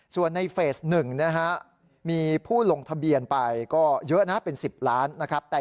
ส่วนในเฟส๑นะฮะมีผู้ลงทะเบียนไปก็เยอะนะเป็น๑๐ล้านนะครับ